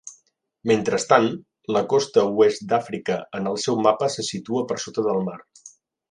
Mentrestant, la costa oest d'Àfrica en el seu mapa se situa per sota del mar.